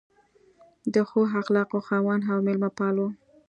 د ښو اخلاقو خاوند او مېلمه پال و.